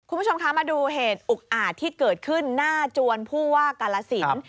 คุณผู้ชมคะมาดูเหตุอุกอาจที่เกิดขึ้นหน้าจวนผู้ว่ากาลสิน